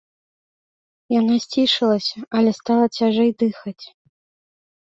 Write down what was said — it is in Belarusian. Яна сцішылася, але стала цяжэй дыхаць.